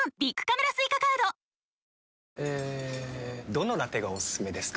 どのラテがおすすめですか？